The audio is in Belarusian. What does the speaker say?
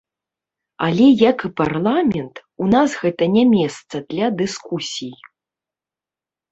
Але як і парламент, у нас гэта не месца для дыскусій.